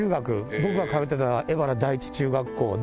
僕が通ってた荏原第一中学校で。